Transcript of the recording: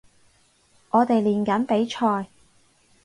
我哋練緊比賽